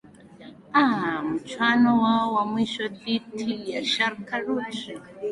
aa mchwano wao wa mwisho dhiti ya shaka ruturi